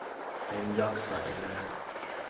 En jaksa enää.